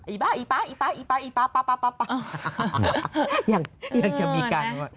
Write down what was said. อีป๊าอีป๊าอีป๊าอีป๊าป๊าป๊าป๊า